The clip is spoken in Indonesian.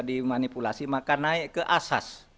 dimanipulasi maka naik ke asas